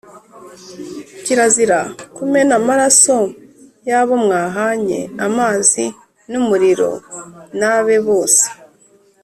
kirazira kumena amaraso y’abo mwahanye amazi n’umuriro n’abe bose